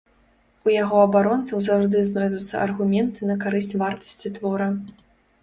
У яго абаронцаў заўжды знойдуцца аргументы на карысць вартасці твора.